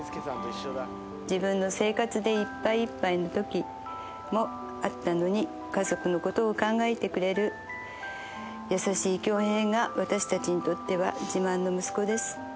自分の生活でいっぱいいっぱいのときもあったのに、家族のことを考えてくれる優しい恭兵が、私たちにとっては自慢の息子です。